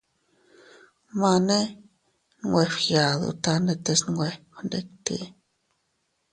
Mane nwe fgiaduta ndetes nwe fgnditi.